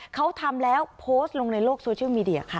เขาทำแล้วโพสต์ลงในโลกโซเชียลมีเดียค่ะ